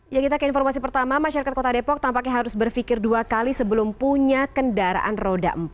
ya kita ke informasi pertama masyarakat kota depok tampaknya harus berpikir dua kali sebelum punya kendaraan roda empat